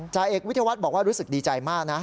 จ่าเอกวิทยาวัฒน์บอกว่ารู้สึกดีใจมากนะ